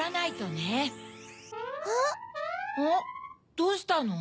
どうしたの？